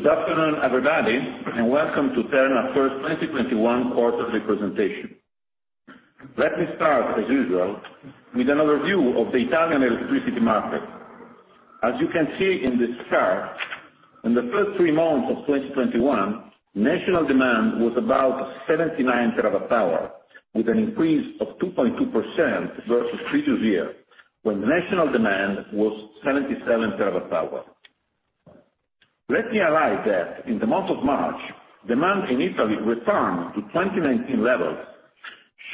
Good afternoon, everybody. Welcome to Terna First 2021 Quarterly Presentation. Let me start, as usual, with an overview of the Italian electricity market. As you can see in this chart, in the first three months of 2021, national demand was about 79 terawatt hour, with an increase of 2.2% versus previous year, when national demand was 77 terawatt hour. Let me highlight that in the month of March, demand in Italy returned to 2019 levels,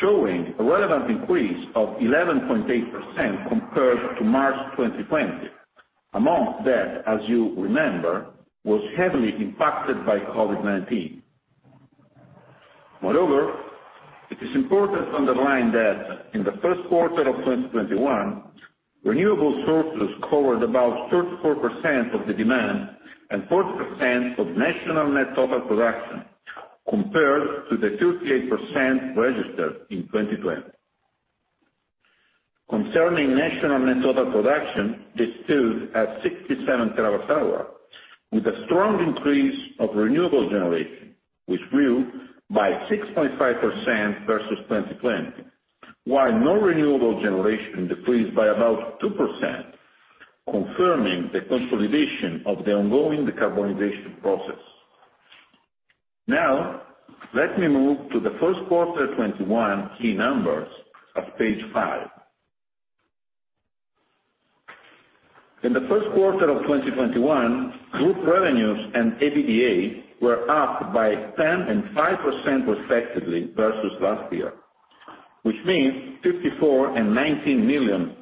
showing a relevant increase of 11.8% compared to March 2020, a month that, as you remember, was heavily impacted by COVID-19. It is important to underline that in the first quarter of 2021, renewable sources covered about 34% of the demand and 40% of national net total production, compared to the 38% registered in 2020. Concerning national net total production, this stood at 67 terawatt hour, with a strong increase of renewable generation, which grew by 6.5% versus 2020, while non-renewable generation decreased by about 2%, confirming the consolidation of the ongoing decarbonization process. Let me move to the first quarter 2021 key numbers at page five. In the first quarter of 2021, group revenues and EBITDA were up by 10% and 5% respectively versus last year, which means 54 million and 19 million.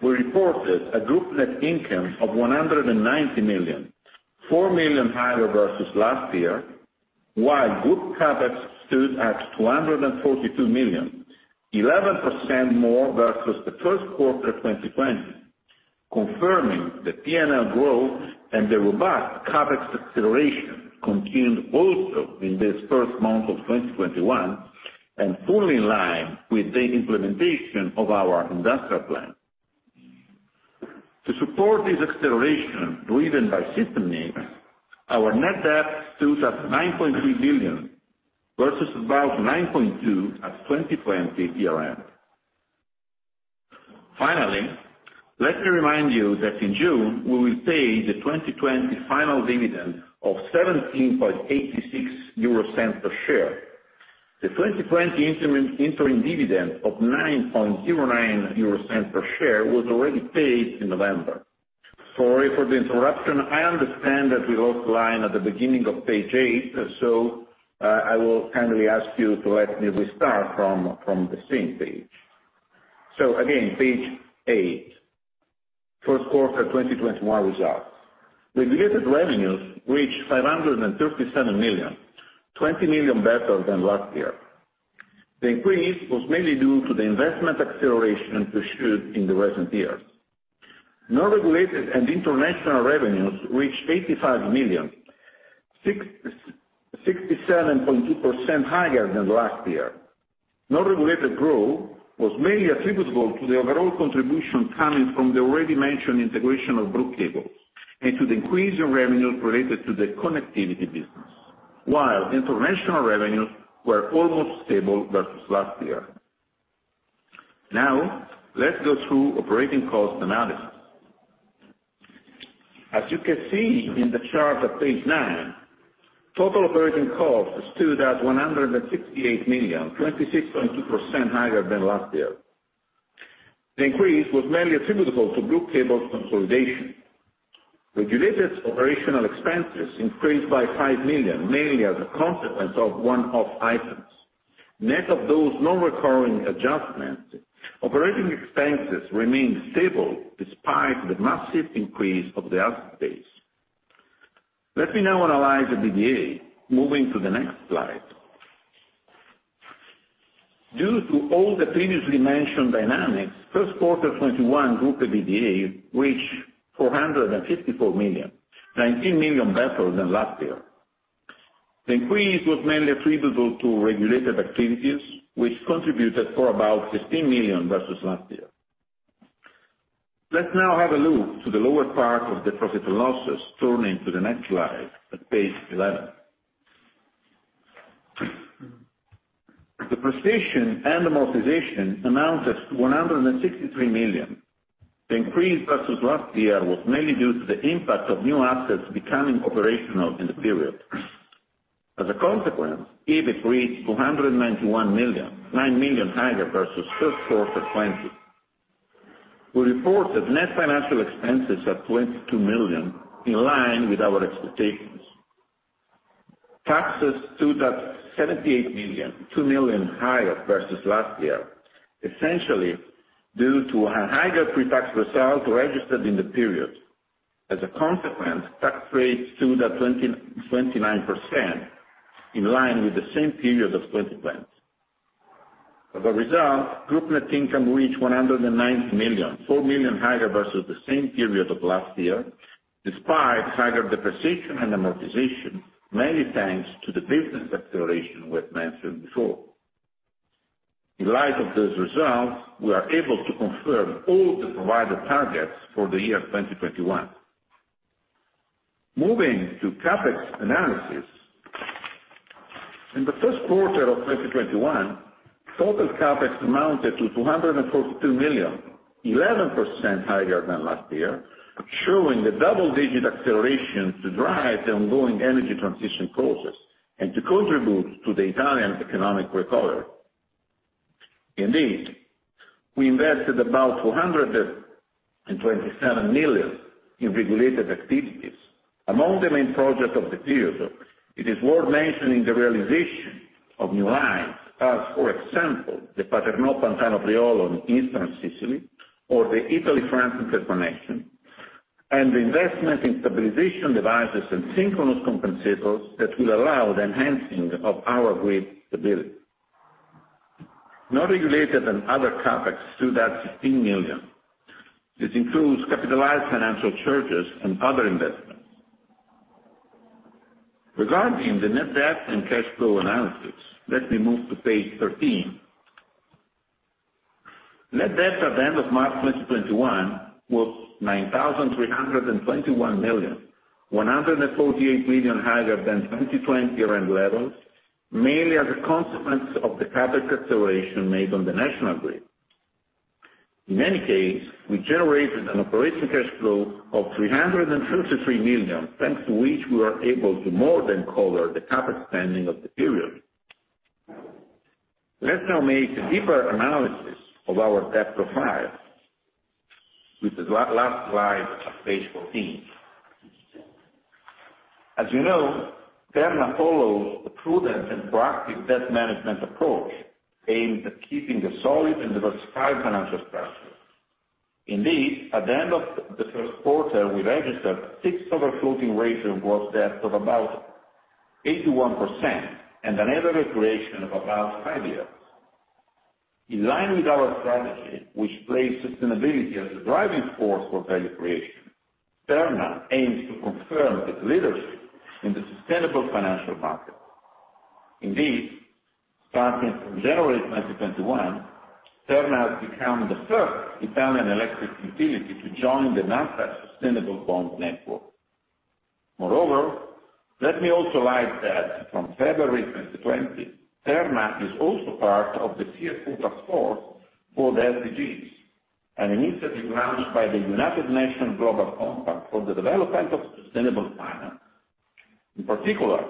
We reported a group net income of 190 million, 4 million higher versus last year, while group CapEx stood at 242 million, 11% more versus the first quarter 2020, confirming the P&L growth and the robust CapEx acceleration continued also in this first month of 2021 and fully in line with the implementation of our industrial plan. To support this acceleration driven by system needs, our net debt stood at 9.3 billion, versus about 9.2 at 2020 year-end. I will kindly ask you to let me restart from the same page. The 2020 interim dividend of 9.09 euro per share was already paid in November. Sorry for the interruption. I understand that we lost line at the beginning of page eight. Again, page eight. First quarter 2021 results. Regulated revenues reached 537 million, 20 million better than last year. The increase was mainly due to the investment acceleration pursued in the recent years. Non-regulated and international revenues reached 85 million, 67.2% higher than last year. Non-regulated growth was mainly attributable to the overall contribution coming from the already mentioned integration of Brugg Cables and to the increase in revenues related to the connectivity business, while international revenues were almost stable versus last year. Now, let's go through operating cost analysis. As you can see in the chart at page nine, total operating costs stood at 168 million, 26.2% higher than last year. The increase was mainly attributable to Brugg Cables consolidation. Regulated operational expenses increased by 5 million, mainly as a consequence of one-off items. Net of those non-recurring adjustments, operating expenses remained stable despite the massive increase of the asset base. Let me now analyze the EBITDA, moving to the next slide. Due to all the previously mentioned dynamics, first quarter 2021 group EBITDA reached 454 million, 19 million better than last year. The increase was mainly attributable to regulated activities, which contributed for about 15 million versus last year. Let's now have a look to the lower part of the profit and losses, turning to the next slide at page 11. The depreciation and amortization amounts at 163 million. The increase versus last year was mainly due to the impact of new assets becoming operational in the period. As a consequence, EBIT reached 291 million, 9 million higher versus first quarter 2020. We reported net financial expenses at 22 million, in line with our expectations. Taxes stood at 78 million, 2 million higher versus last year, essentially due to a higher pre-tax result registered in the period. As a consequence, tax rates stood at 29%, in line with the same period of 2020. As a result, group net income reached 190 million, 4 million higher versus the same period of last year, despite higher depreciation and amortization, mainly thanks to the business acceleration we have mentioned before. In light of those results, we are able to confirm all the provided targets for the year 2021. Moving to CapEx analysis. In the first quarter of 2021, total CapEx amounted to 242 million, 11% higher than last year, showing the double-digit acceleration to drive the ongoing energy transition process, and to contribute to the Italian economic recovery. Indeed, we invested about 227 million in regulated activities. Among the main projects of the period, though, it is worth mentioning the realization of new lines, as for example, the Paternò-Pantano-Priolo in eastern Sicily, or the Italy-France interconnection, and the investment in stabilization devices and synchronous compensators that will allow the enhancing of our grid stability. Not regulated and other CapEx stood at 16 million. This includes capitalized financial charges and other investments. Regarding the net debt and cash flow analysis, let me move to page 13. Net debt at the end of March 2021 was 9,321 million, 148 million higher than 2020 year-end levels, mainly as a consequence of the CapEx acceleration made on the national grid. In any case, we generated an operating cash flow of 353 million, thanks to which we are able to more than cover the CapEx spending of the period. Let's now make a deeper analysis of our debt profile with the last slide of page 14. As you know, Terna follows a prudent and proactive debt management approach, aimed at keeping a solid and diversified financial structure. Indeed, at the end of the first quarter, we registered fixed over floating ratio gross debt of about 81%, and an average duration of about five years. In line with our strategy, which place sustainability as the driving force for value creation, Terna aims to confirm its leadership in the sustainable financial market. Indeed, starting from January 2021, Terna has become the first Italian electric utility to join the Nasdaq Sustainable Bond Network. Moreover, let me also add that from February 2020, Terna is also part of the CFO Taskforce for the SDGs, an initiative launched by the United Nations Global Compact for the development of sustainable finance. In particular,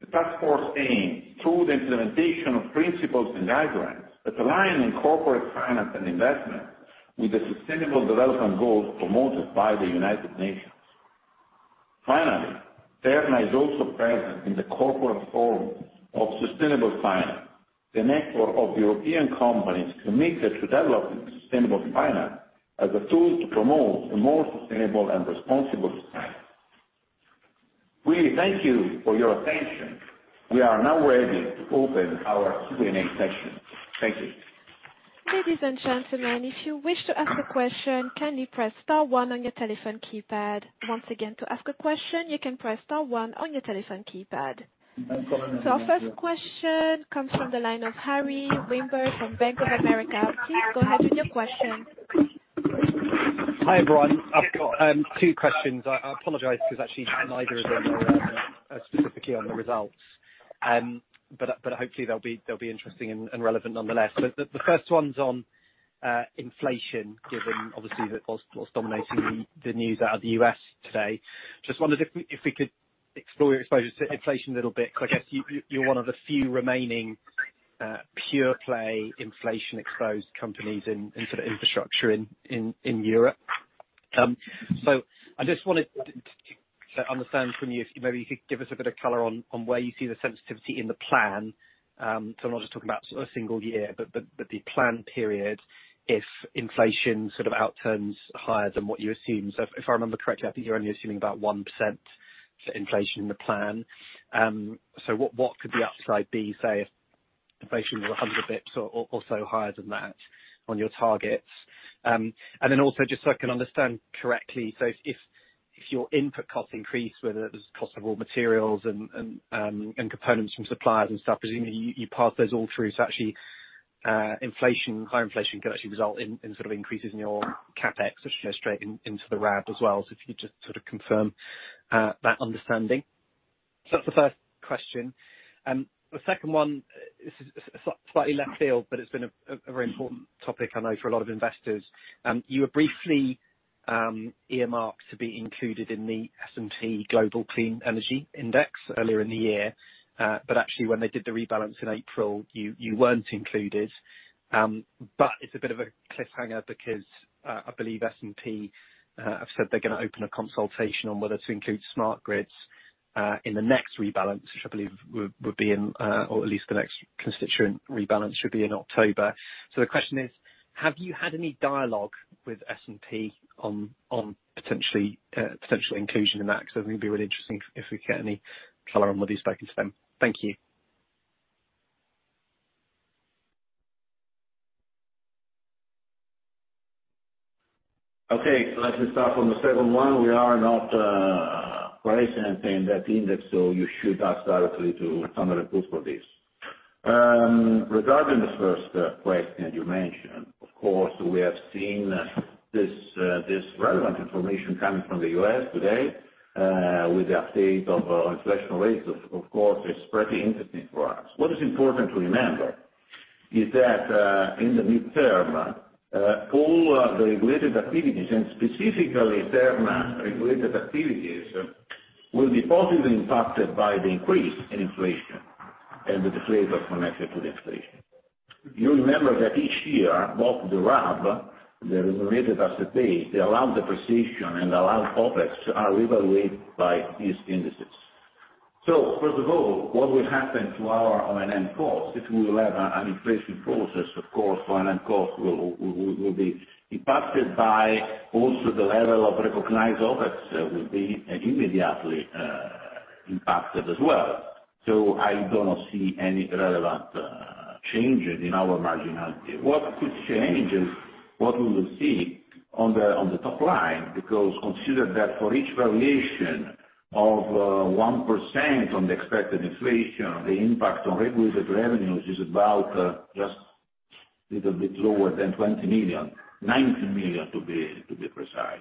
the task force aims, through the implementation of principles and guidelines, at aligning corporate finance and investment with the Sustainable Development Goals promoted by the United Nations. Finally, Terna is also present in the Corporate Forum on Sustainable Finance, the network of European companies committed to developing sustainable finance as a tool to promote a more sustainable and responsible society. We thank you for your attention. We are now ready to open our Q&A session. Thank you. Ladies and gentlemen, if you wish to ask a question, can you press star one on your telephone keypad. Once again, to ask a question, you can press star one on your telephone keypad. Our first question comes from the line of Harry Sheringham from Bank of America. Please go ahead with your question. Hi, everyone. I've got two questions. I apologize because actually neither of them are specifically on the results. Hopefully they'll be interesting and relevant nonetheless. The first one's on inflation, given obviously that what's dominating the news out of the U.S. today. Just wondered if we could explore your exposure to inflation a little bit, because I guess you're one of the few remaining pure play inflation exposed companies in sort of infrastructure in Europe. I just wanted to understand from you, if maybe you could give us a bit of color on where you see the sensitivity in the plan. I'm not just talking about sort of single year, but the plan period, if inflation sort of outturns higher than what you assume. If I remember correctly, I think you're only assuming about 1% for inflation in the plan. What could the upside be, say, if inflation were 100 basis points or also higher than that on your targets? Just so I can understand correctly, if your input costs increase, whether it was cost of raw materials and components from suppliers and stuff, presumably you pass those all through, actually higher inflation could actually result in sort of increases in your CapEx or sort of straight into the RAB as well. If you could just sort of confirm that understanding. That's the first question. The second one is slightly left field, it's been a very important topic, I know, for a lot of investors. You were briefly earmarked to be included in the S&P Global Clean Energy Index earlier in the year. Actually when they did the rebalance in April, you weren't included. It's a bit of a cliffhanger because I believe S&P have said they're going to open a consultation on whether to include smart grids in the next rebalance, which I believe will be in, or at least the next constituent rebalance should be in October. The question is, have you had any dialogue with S&P on potential inclusion in that? I think it would be really interesting if we get any color on whether you've spoken to them. Thank you. Okay, let me start from the second one. We are not pricing in that index, so you should ask directly to Standard & Poor's for this. Regarding the first question that you mentioned, of course, we have seen this relevant information coming from the U.S. today, with the update on inflation rates. Of course, it's pretty interesting for us. What is important to remember is that, in the midterm, all the regulated activities, and specifically Terna regulated activities, will be positively impacted by the increase in inflation and the deflator connected to the inflation. You remember that each year, both the RAB, the regulated asset base, the allowed depreciation, and allowed OPEX are reevaluated by these indices. First of all, what will happen to our O&M cost, if we will have an inflation process, of course, O&M cost will be impacted by also the level of recognized OPEX, will be immediately impacted as well. I do not see any relevant changes in our marginality. What could change is what we will see on the top line, because consider that for each variation of 1% on the expected inflation, the impact on regulated revenues is about just little bit lower than 20 million. 19 million, to be precise.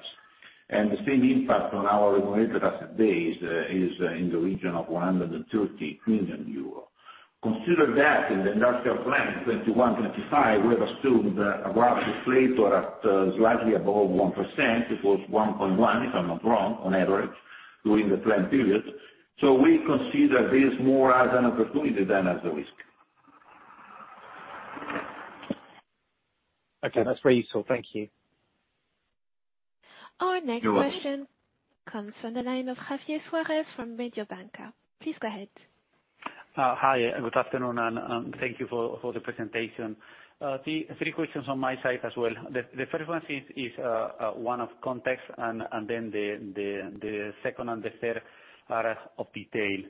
The same impact on our regulated asset base is in the region of 130 million euros. Consider that in the industrial plan 2021/2025, we have assumed a RAB inflation rate slightly above 1%. It was 1.1%, if I'm not wrong, on average during the plan period. We consider this more as an opportunity than as a risk. Okay, that's very useful. Thank you. Our next question. You're welcome. comes from the line of Javier Suarez from Mediobanca. Please go ahead. Hi, good afternoon, and thank you for the presentation. Three questions on my side as well. The first one is one of context, and then the second and the third are of detail.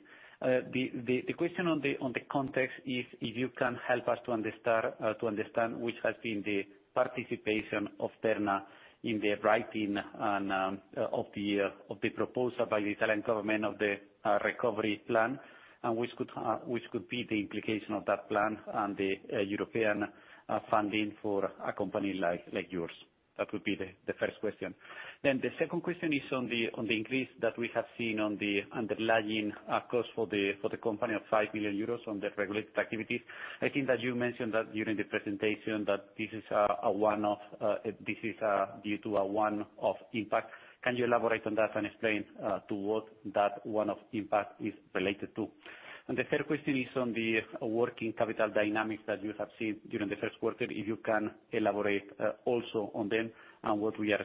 The question on the context is if you can help us to understand which has been the participation of Terna in the writing of the proposal by the Italian government of the recovery plan, and which could be the implication of that plan and the European funding for a company like yours. That would be the first question. The second question is on the increase that we have seen on the underlying cost for the company of 5 million euros on the regulated activities. I think that you mentioned that during the presentation, that this is due to a one-off impact. Can you elaborate on that and explain, to what that one-off impact is related to? The third question is on the working capital dynamics that you have seen during the first quarter, if you can elaborate also on them and what you are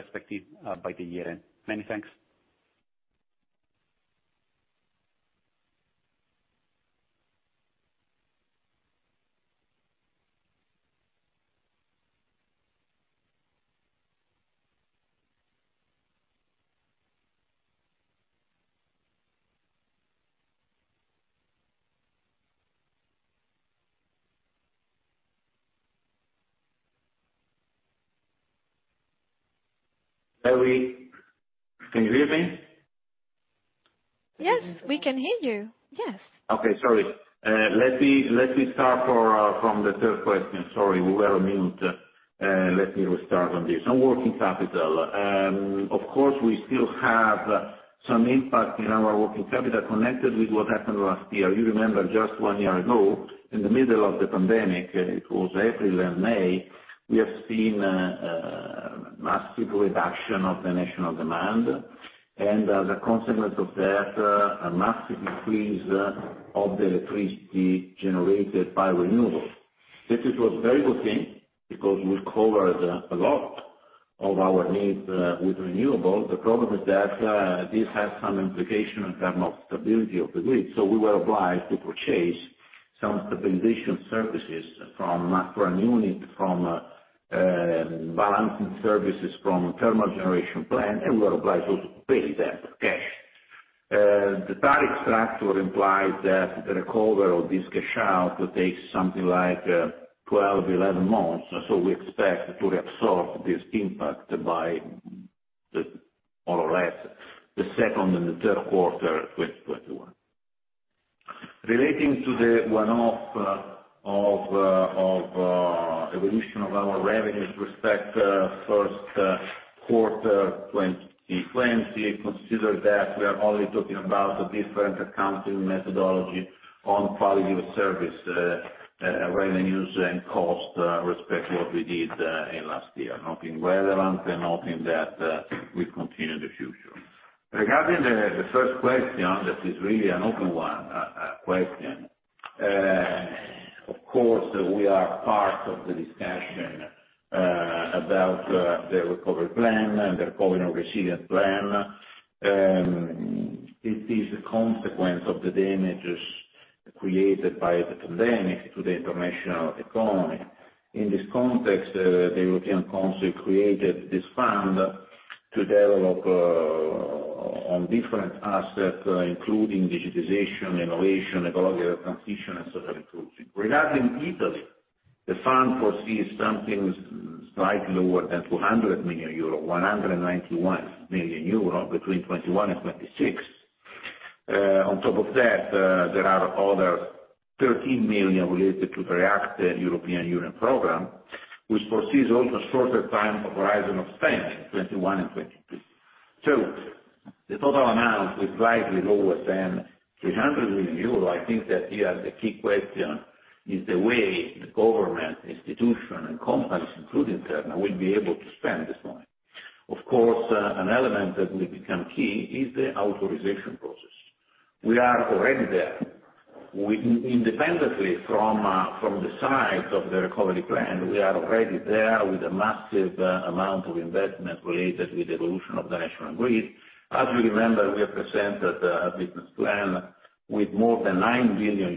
expecting by the year-end? Many thanks. Can you hear me? Yes, we can hear you. Yes. Okay. Sorry. Let me start from the third question. Sorry. We were muted. Let me restart on this. On working capital, of course, we still have some impact in our working capital connected with what happened last year. You remember just one year ago, in the middle of the pandemic, it was April and May, we have seen a massive reduction of the national demand. As a consequence of that, a massive decrease of the electricity generated by renewables. This was a very good thing because we covered a lot of our needs with renewables. The problem is that, this has some implication in terms of stability of the grid. We were obliged to purchase some stabilization services from a foreign unit, from balancing services from thermal generation plant, and we were obliged also to pay that cash. The tariff structure implies that the recovery of this cash out will take something like 12, 11 months. We expect to reabsorb this impact by, more or less, the second and the third quarter 2021. Relating to the one-off of evolution of our revenues with respect first quarter 2020, consider that we are only talking about a different accounting methodology on quality of service, revenues and cost, respect to what we did in last year. Nothing relevant and nothing that will continue in the future. Regarding the first question, that is really an open one, question. Of course, we are part of the discussion about the recovery plan and the COVID resilience plan. It is a consequence of the damages created by the pandemic to the international economy. In this context, the European Council created this fund to develop on different assets, including digitization, innovation, ecological transition, and social inclusion. Regarding Italy, the fund foresees something slightly lower than 200 million euro, 191 million euro between 2021 and 2026. Top of that, there are other 13 million related to the REACT-EU European Union program, which foresees also shorter time of horizon of spend in 2021 and 2022. The total amount is slightly lower than 300 million euros. I think that here the key question is the way the government, institution, and companies, including Terna, will be able to spend this money. Of course, an element that will become key is the authorization process. We are already there. Independently from the size of the recovery plan, we are already there with a massive amount of investment related with the evolution of the national grid. As you remember, we have presented a business plan with more than €9 billion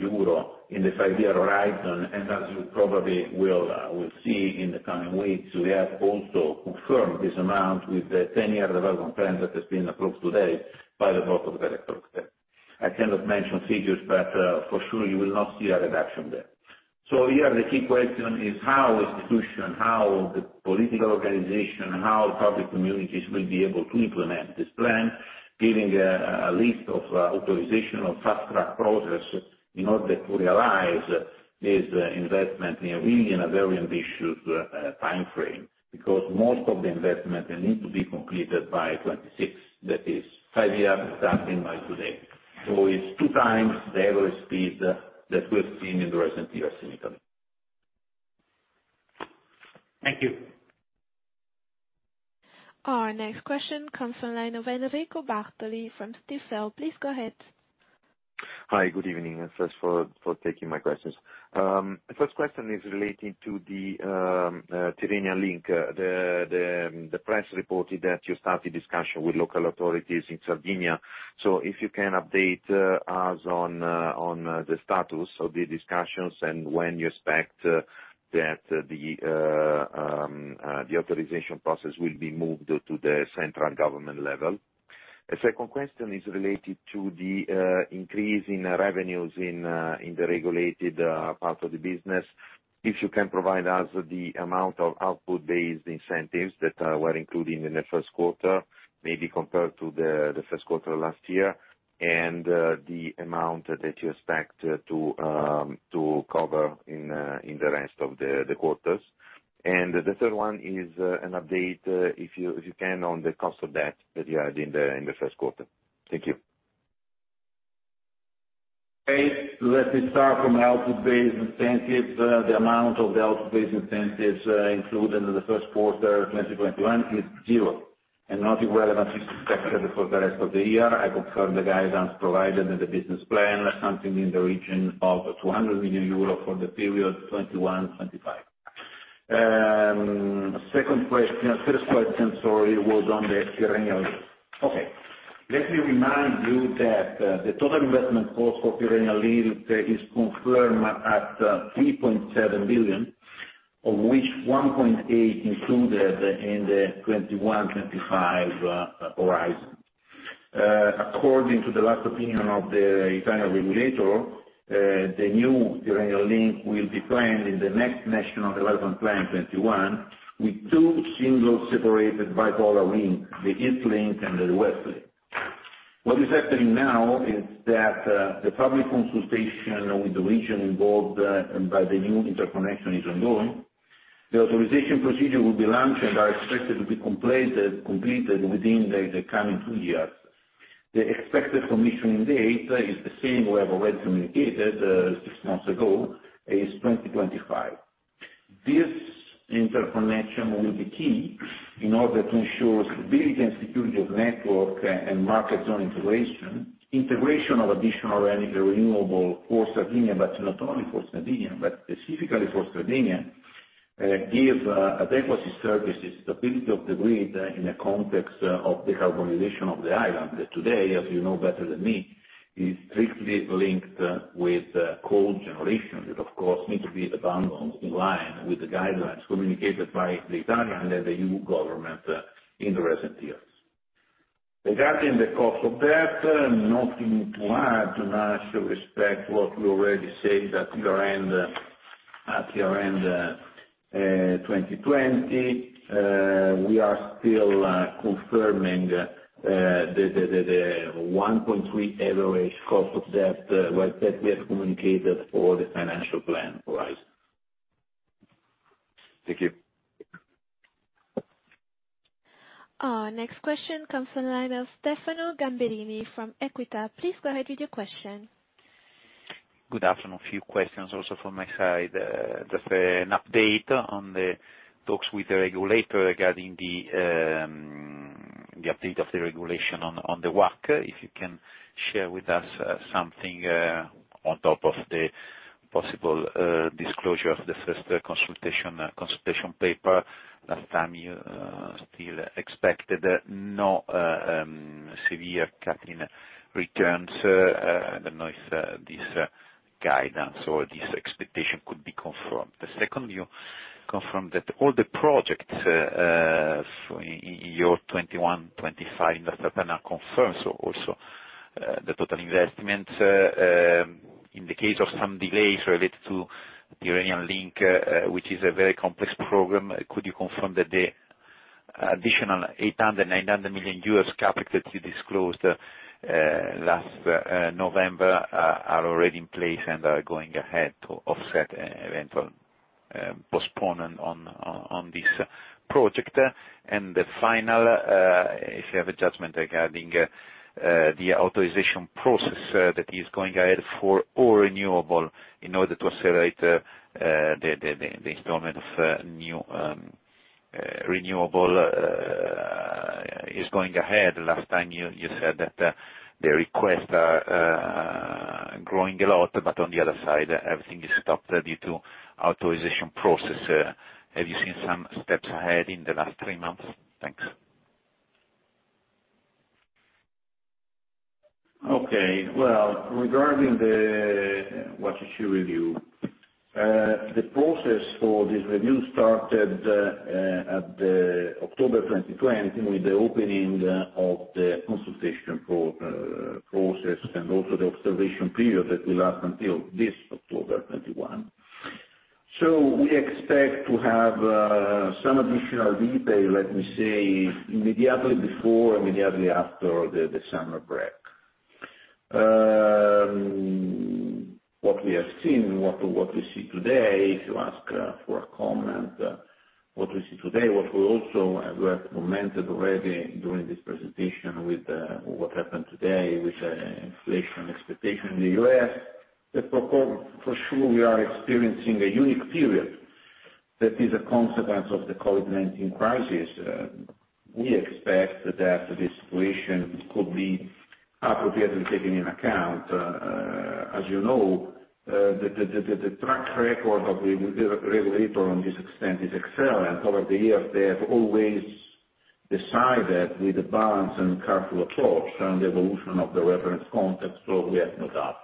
in the five-year horizon. As you probably will see in the coming weeks, we have also confirmed this amount with the 10-year development plan that has been approved today by the board of directors. I cannot mention figures, for sure, you will not see a reduction there. Here the key question is how institution, how the political organization, how public communities will be able to implement this plan, giving a list of authorization of fast-track process in order to realize this investment in a very ambitious timeframe, because most of the investment will need to be completed by 2026. That is five years starting by today. It's two times the average speed that we've seen in the recent years in Italy. Thank you. Our next question comes from line of Enrico Bartoli from MainFirst. Please go ahead. Hi, good evening, thanks for taking my questions. First question is relating to the Tyrrhenian Link. The press reported that you started discussion with local authorities in Sardinia. If you can update us on the status of the discussions and when you expect that the authorization process will be moved to the central government level. A second question is related to the increase in revenues in the regulated part of the business. If you can provide us the amount of output-based incentives that were included in the first quarter, maybe compared to the first quarter last year, and the amount that you expect to cover in the rest of the quarters. The third one is an update, if you can, on the cost of debt that you had in the first quarter. Thank you. Okay, let me start from output-based incentives. The amount of the output-based incentives included in the first quarter 2021 is zero. Nothing relevant is expected for the rest of the year. I confirm the guidance provided in the business plan, something in the region of 200 million euro for the period 2021-2025. First question, sorry, was on the Tyrrhenian Link. Okay. Let me remind you that the total investment cost for Tyrrhenian Link is confirmed at 3.7 billion, of which 1.8 included in the 2021-2025 horizon. According to the last opinion of the Italian regulator, the new Tyrrhenian Link will be planned in the next national development plan 2021, with two singles separated by bipolar link, the East Link and the West Link. What is happening now is that the public consultation with the region involved by the new interconnection is ongoing. The authorization procedure will be launched and are expected to be completed within the coming two years. The expected commissioning date is the same we have already communicated six months ago, is 2025. This interconnection will be key in order to ensure stability and security of network and market zone integration of additional renewable for Sardinia, but not only for Sardinia, but specifically for Sardinia, give adequate services, stability of the grid in a context of decarbonization of the island, that today, as you know better than me, is strictly linked with coal generation. That, of course, need to be abandoned in line with the guidelines communicated by the Italian and the EU government in the recent years. Regarding the cost of debt, nothing to add, nothing to expect what we already said at year-end 2020. We are still confirming the 1.3% average cost of debt, well, that we have communicated for the financial plan horizon. Thank you. Our next question comes from line of Stefano Gamberini from EQUITA. Please go ahead with your question. Good afternoon, few questions also from my side. Just an update on the talks with the regulator regarding the update of the regulation on the WACC, if you can share with us something on top of the possible disclosure of the first consultation paper. Last time, you still expected no severe cut in returns. I don't know if this guidance or this expectation could be confirmed. The second viewConfirm that all the projects, so in year 2021, 2025, that are confirmed, so also the total investment, in the case of some delays related to the Tyrrhenian Link, which is a very complex program, could you confirm that the additional $800 million-$900 million U.S. capital that you disclosed last November are already in place and are going ahead to offset eventual postponement on this project? The final, if you have a judgment regarding the authorization process that is going ahead for all renewables in order to accelerate the installment of new renewables. Last time, you said that the requests are growing a lot, but on the other side, everything is stopped due to authorization process. Have you seen some steps ahead in the last three months? Thanks. Okay. Well, regarding the WACC review, the process for this review started at October 2020 with the opening of the consultation process and also the observation period that will last until this October 2021. We expect to have some additional detail, let me say, immediately before, immediately after the summer break. What we have seen, what we see today, if you ask for a comment, what we see today, what we also have commented already during this presentation with what happened today, with inflation expectation in the U.S., that for sure we are experiencing a unique period that is a consequence of the COVID-19 crisis. We expect that this situation could be appropriately taken in account. As you know, the track record of the regulator on this extent is excellent. Over the years, they have always decided with a balanced and careful approach on the evolution of the reference context. We have no doubt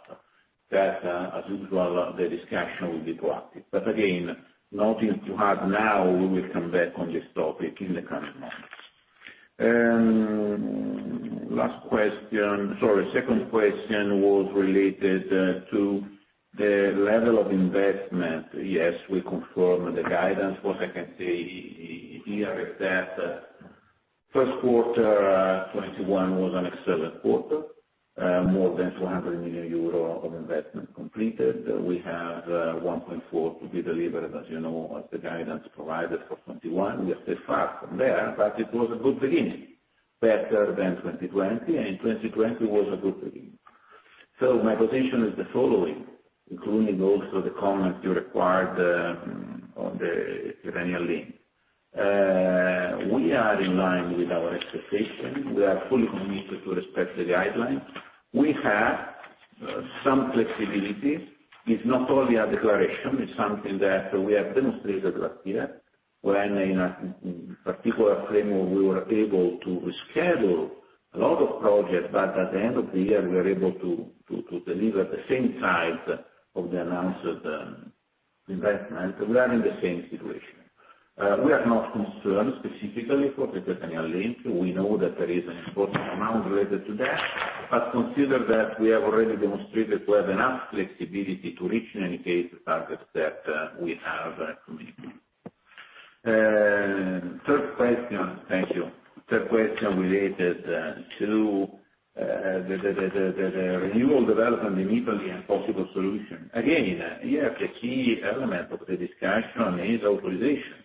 that, as usual, the discussion will be proactive. Again, nothing to add now, we will come back on this topic in the coming months. Last question. Sorry, second question was related to the level of investment. Yes, we confirm the guidance. What I can say here is that first quarter 2021 was an excellent quarter, more than 200 million euro of investment completed. We have 1.4 to be delivered. As you know, the guidance provided for 2021, we are still far from there, but it was a good beginning, better than 2020, and 2020 was a good beginning. My position is the following, including also the comments you required on the Tyrrhenian Link. We are in line with our expectations. We are fully committed to respect the guidelines. We have some flexibility. It's not only a declaration, it's something that we have demonstrated last year, when in a particular framework, we were able to reschedule a lot of projects, but at the end of the year, we were able to deliver the same size of the announced investment. We are in the same situation. We are not concerned specifically for the Tyrrhenian Link. We know that there is an important amount related to that, but consider that we have already demonstrated we have enough flexibility to reach, in any case, the targets that we have committed. Third question. Thank you. Third question related to the renewal development in Italy and possible solution. Here, the key element of the discussion is authorization,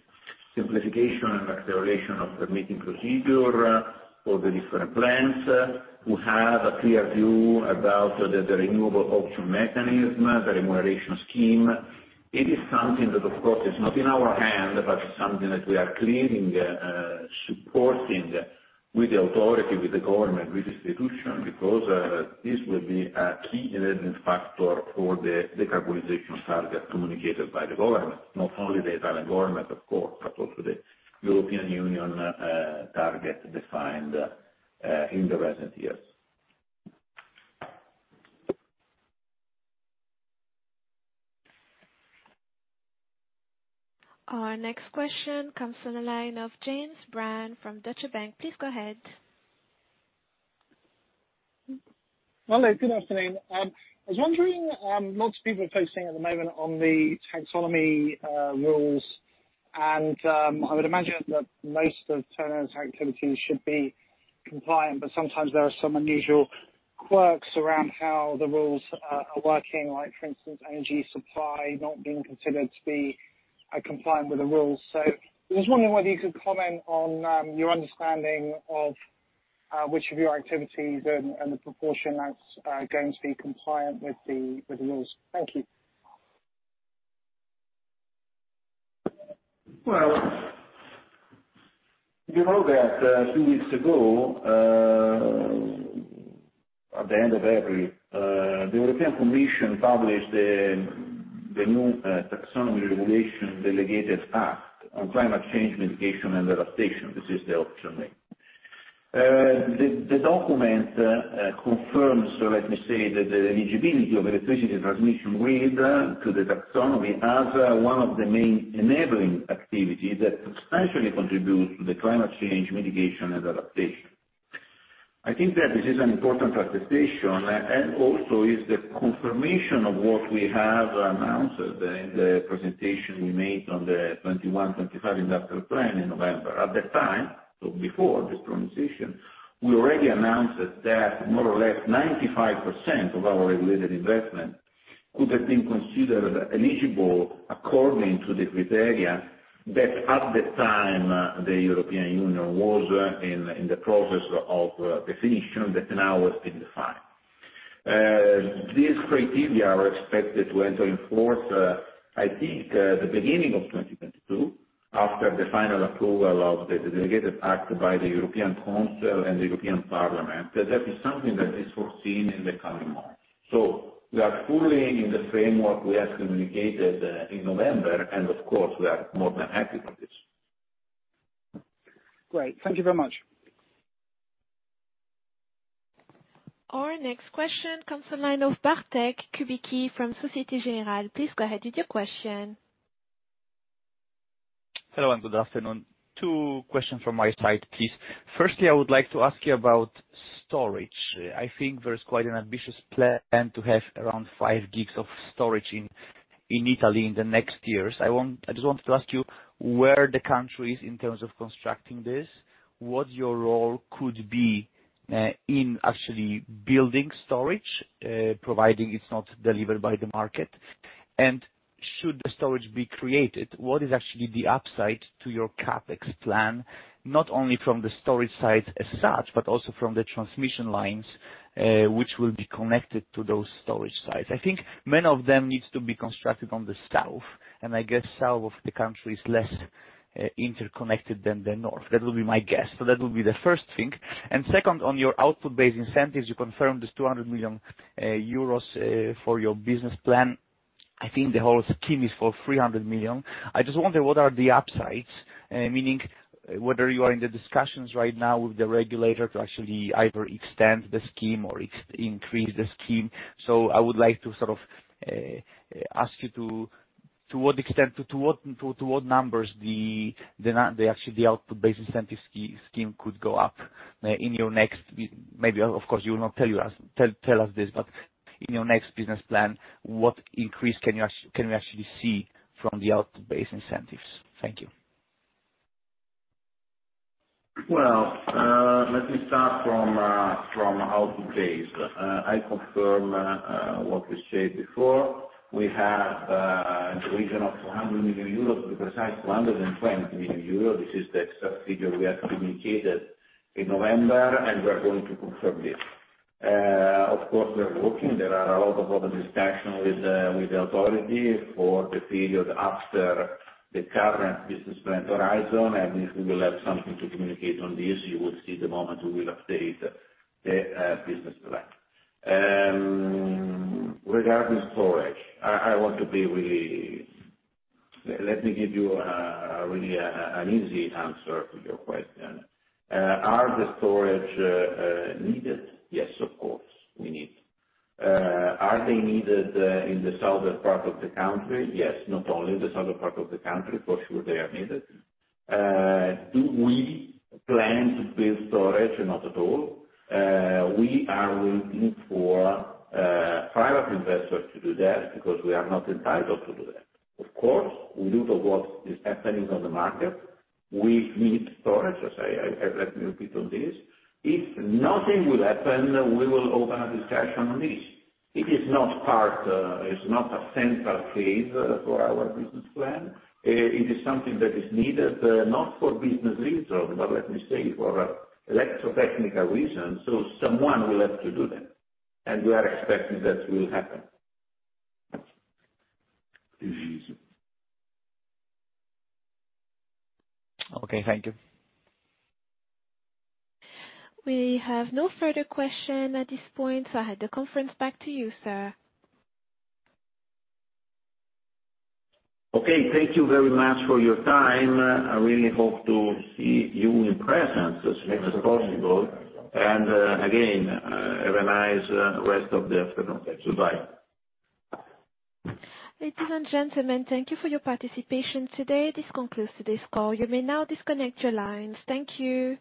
simplification, and acceleration of the meeting procedure for the different plants who have a clear view about the renewable auction mechanism, the remuneration scheme. It is something that, of course, is not in our hand, but something that we are clearly supporting with the authority, with the government, with institutions, because this will be a key enabling factor for the decarbonization target communicated by the government. Not only the Italian government, of course, but also the European Union target defined in the recent years. Our next question comes from the line of James Brand from Deutsche Bank. Please go ahead. Hello. Good afternoon. I was wondering, lots of people are focusing at the moment on the taxonomy rules, and I would imagine that most of Terna's activities should be compliant, but sometimes there are some unusual quirks around how the rules are working. Like for instance, energy supply not being considered to be compliant with the rules. I was wondering whether you could comment on your understanding of which of your activities and the proportion that's going to be compliant with the rules. Thank you. Well, you know that a few weeks ago, at the end of April, the European Commission published the new Taxonomy Climate Delegated Act on climate change mitigation and adaptation. This is the auction name. The document confirms, let me say, the eligibility of electricity transmission grid to the taxonomy as one of the main enabling activities that substantially contributes to the climate change mitigation and adaptation. I think that this is an important attestation. Also is the confirmation of what we have announced in the presentation we made on the 21/25 Industrial Plan in November. At that time, before this transition, we already announced that more or less 95% of our regulated investment could have been considered eligible according to the criteria that at the time, the European Union was in the process of definition that now has been defined. These criteria are expected to enter in force, I think, the beginning of 2022, after the final approval of the delegated act by the European Council and the European Parliament. That is something that is foreseen in the coming months. We are fully in the framework we have communicated in November, and of course, we are more than happy for this. Great. Thank you very much. Our next question comes the line of Bartłomiej Kubicki from Société Générale. Please go ahead with your question. Hello and good afternoon. Two questions from my side, please. Firstly, I would like to ask you about storage. I think there is quite an ambitious plan to have around five gigs of storage in Italy in the next years. I just want to ask you where the country is in terms of constructing this, what your role could be in actually building storage, providing it's not delivered by the market. Should the storage be created, what is actually the upside to your CapEx plan, not only from the storage side as such, but also from the transmission lines, which will be connected to those storage sites? I think many of them needs to be constructed on the south, and I guess south of the country is less interconnected than the north. That would be my guess. That would be the first thing. Second, on your output-based incentives, you confirmed this 200 million euros for your business plan. I think the whole scheme is for 300 million. I just wonder what are the upsides, meaning whether you are in the discussions right now with the regulator to actually either extend the scheme or increase the scheme. I would like to sort of ask you to what numbers the actual output-based incentive scheme could go up in your next Maybe, of course, you will not tell us this, but in your next business plan, what increase can we actually see from the output-based incentives? Thank you. Well, let me start from output-based. I confirm what we said before. We have in the region of 100 million euros, to be precise, 120 million euros. This is the exact figure we have communicated in November, and we are going to confirm this. Of course, we are working. There are a lot of open discussions with the authority for the period after the current business plan horizon, and if we will have something to communicate on this, you will see the moment we will update the business plan. Regarding storage, let me give you a really an easy answer to your question. Are the storage needed? Yes, of course, we need. Are they needed in the southern part of the country? Yes. Not only the southern part of the country, for sure they are needed. Do we plan to build storage? Not at all. We are waiting for private investors to do that, because we are not entitled to do that. Of course, we look at what is happening on the market. We need storage, as I said. Let me repeat on this. If nothing will happen, we will open a discussion on this. It is not a central phase for our business plan. It is something that is needed, not for business reasons, but let me say, for electrotechnical reasons. Someone will have to do that, and we are expecting that will happen. Okay. Thank you. We have no further question at this point, so I hand the conference back to you, sir. Okay. Thank you very much for your time. I really hope to see you in presence as soon as possible. Again, have a nice rest of the afternoon. Goodbye. Ladies and gentlemen, thank you for your participation today. This concludes today's call. You may now disconnect your lines. Thank you.